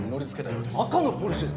赤のポルシェ！？